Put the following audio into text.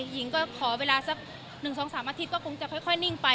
หญิงก็ขอเวลาสักหนึ่งสองสามอาทิตย์ก็คงจะค่อยนิ่งไป